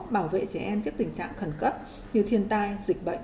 bảo vệ trẻ em trước tình trạng khẩn cấp như thiên tai dịch bệnh